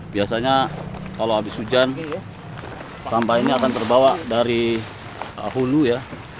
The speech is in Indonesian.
biasanya kalau habis hujan sampah ini akan terbawa dari hulu ya